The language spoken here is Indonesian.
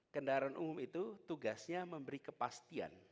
kendaraan umum itu tugasnya memberi kepastian